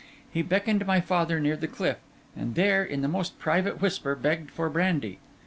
He beckoned my father near the cliff, and there, in the most private whisper, begged for brandy.